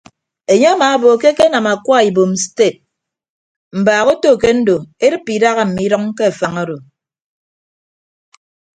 Enye amaabo ke ekenam akwa ibom sted mbaak oto ke ndo edịppe idaha mme idʌñ ke afañ uforo.